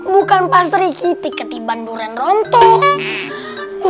bukan pak sri kiti ketiban durian rontok